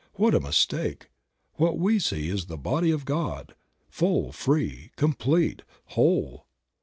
What a mistake ! What we see is the body of God, full, free, complete, whole.